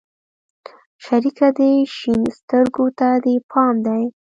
شريکه دې شين سترگو ته دې پام دى.